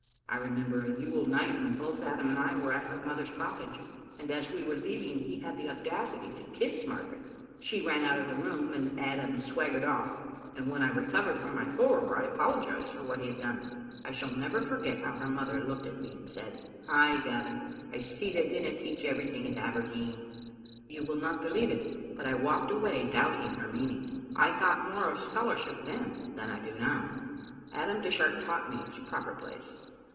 I remember a Yule night when both Adam and I were at her mother's cottage, and, as we were leaving, he had the audacity to kiss Margaret. She ran out of the room, and Adam swaggered off, and when I recovered from my horror, I apologized foi what he had done. I shall never forget how her mothei looked at me, and said, *Ay, Gavin, I see they dinna teach everything at Aberdeen. ' You will not believe it, but I walked away doubting her meaning. I thought more of scholarship then than I do now. Adam Dish art taught me its proper place.